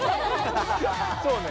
そうね